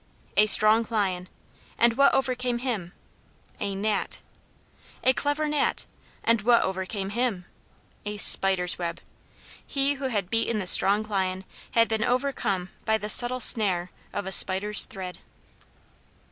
A strong Lion and what overcame him? A Gnat. A clever Gnat and what overcame him? A Spider's web! He who had beaten the strong lion had been overcome by the subtle snare of a spider's thread.